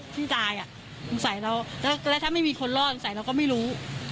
ที่ตายอ่ะสงสัยเราแล้วถ้าไม่มีคนรอดสงสัยเราก็ไม่รู้